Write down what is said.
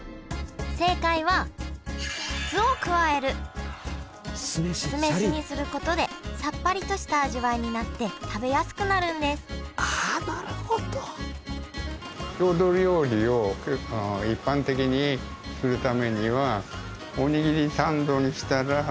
正解は酢飯にすることでさっぱりとした味わいになって食べやすくなるんですあなるほど。と思って開発しました。